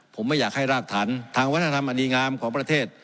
ผมไม่อยากให้รากฐานทางวัฒนธรรมอดีงามของประเทศ